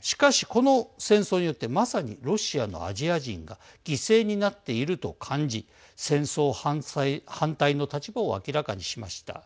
しかし、この戦争によってまさにロシアのアジア人が犠牲になっていると感じ戦争反対の立場を明らかにしました。